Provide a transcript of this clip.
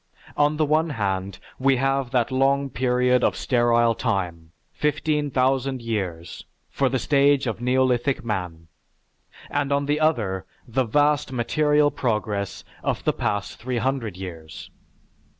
On the one hand we have that long period of sterile time, 15,000 years, for the stage of neolithic man, and on the other the vast material progress of the past three hundred years.